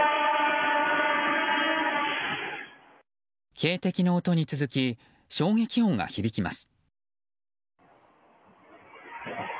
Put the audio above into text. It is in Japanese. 警笛の音に続き衝撃音が響きます。